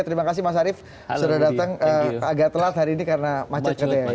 terima kasih mas arief sudah datang agak telat hari ini karena macet katanya